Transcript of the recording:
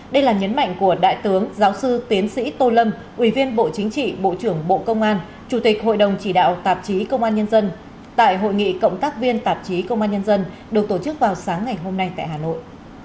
đây là nhấn mạnh của đại tướng giáo sư tiến sĩ tô lâm ủy viên bộ chính trị bộ trưởng bộ công an chủ tịch hội đồng chỉ đạo tạp chí công an nhân dân tại hội nghị cộng tác viên tạp chí công an nhân dân được tổ chức vào sáng ngày hôm nay tại hà nội